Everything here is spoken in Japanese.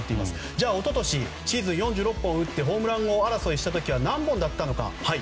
じゃあ一昨年シーズン４６本打ってホームラン王争いした時は何本だったのか。